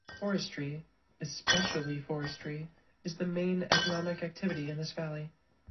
Forestry (especially forestry) is the main economic activity in this valley.